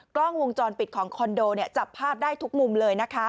กล้องวงจรปิดของคอนโดจับภาพได้ทุกมุมเลยนะคะ